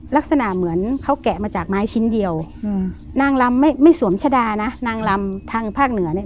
ลักษณะเหมือนเขาแกะมาจากไม้ชิ้นเดียวอืมนางลำไม่ไม่สวมชะดานะนางลำทางภาคเหนือเนี่ย